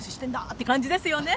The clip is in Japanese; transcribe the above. って感じですよね。